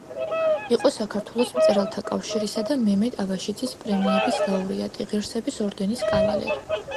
იყო საქართველოს მწერალთა კავშირისა და მემედ აბაშიძის პრემიების ლაურეატი, ღირსების ორდენის კავალერი.